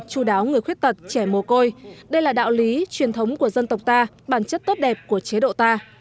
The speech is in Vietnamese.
chú đáo người khuyết tật trẻ mồ côi đây là đạo lý truyền thống của dân tộc ta bản chất tốt đẹp của chế độ ta